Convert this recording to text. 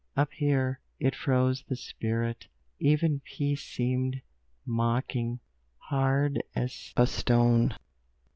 Up here, it froze the spirit; even Peace seemed mocking—hard as a stone.